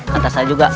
kan tas saya juga